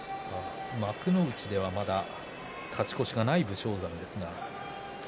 幕内では勝ち越しがない武将山です。